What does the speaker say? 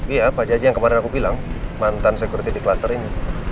iya pak jajah yang kemarin aku bilang mantan sekuriti di klaster ini